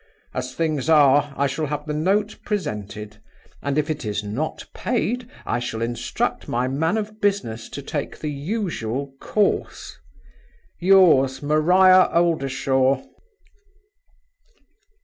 As things are, I shall have the note presented; and, if it is not paid, I shall instruct my man of business to take the usual course. "Yours, MARIA OLDERSHAW."